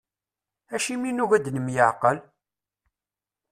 Acimi i nugi ad nemyeεqal?